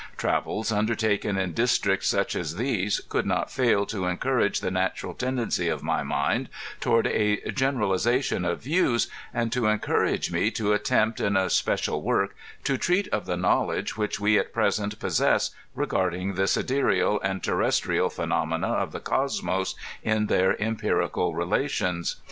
Travels, undertaken in dis tricts such as these, could not fail to, encourage the natural tendency of my mind toward a generalization of views, and to encourage me to attempt, in a special work, to treat of the knowledge which we at present possess, regarding the sidereal and terrestrial phenomena of the Cosmos in their empirical relations.